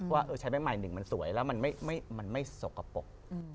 ว่าใช้ใบใหม่หนึ่งมันสวยแล้วมันไม่สกปรก